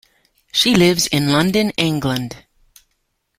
She lives in London, England.